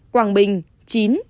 quảng bình chín